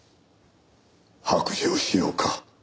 白状しようか。